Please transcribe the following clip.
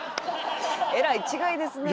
えらい違いですねえ。